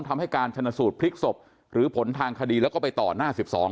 ทำให้การชนสูตรพลิกศพหรือผลทางคดีแล้วก็ไปต่อหน้าสิบสอง